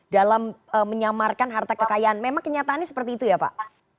dalam menyamarkan harta kekayaan memang kenyataannya seperti itu ya pak